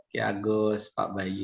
ki agus pak bayu